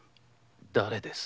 誰です？